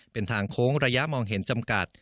เป็นทางโค้งระยะมองเห็นจำกัด